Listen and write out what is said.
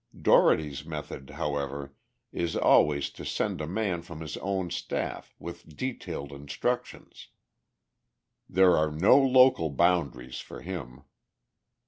Dougherty's method, however, is always to send a man from his own staff, with detailed instructions. There are no local boundaries for him.